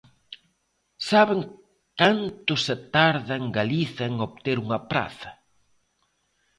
¿Saben canto se tarda en Galiza en obter unha praza?